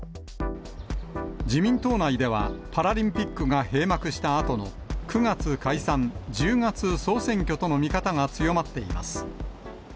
自民党内では、パラリンピックが閉幕したあとの９月解散、１０月総選挙との見方が強まっています。